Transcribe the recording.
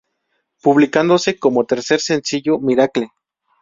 Publicándose como tercer sencillo Miracle.